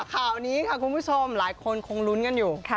ข่าวนี้ค่ะคุณผู้ชมหลายคนคงลุ้นกันอยู่